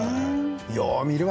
よう見るわ。